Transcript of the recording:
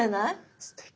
すてき。